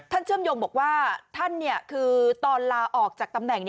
เชื่อมโยงบอกว่าท่านคือตอนลาออกจากตำแหน่ง